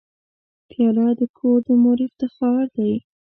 پیاله د کور د مور افتخار دی.